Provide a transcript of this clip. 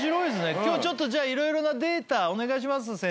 今日ちょっとじゃあ色々なデータお願いします先生。